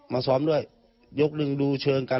มาซ้อมด้วยยกลึงดูเชิงกัน